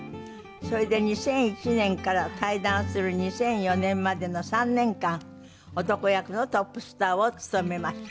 それで２００１年から退団する２００４年までの３年間男役のトップスターを務めました。